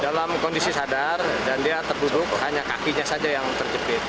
dalam kondisi sadar dan dia terduduk hanya kakinya saja yang terjepit